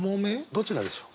どちらでしょう？